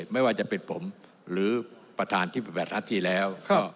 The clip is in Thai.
ไม่ว่าจะเป็นผมหรือประธานที่แบบรัฐทัศน์ที่แล้ว